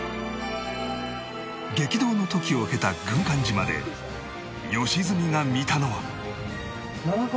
激動の時を経た軍艦島で良純が見たのは